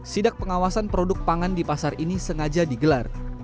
sidak pengawasan produk pangan di pasar ini sengaja digelar